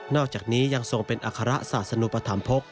อกจากนี้ยังทรงเป็นอัคระศาสนุปธรรมภก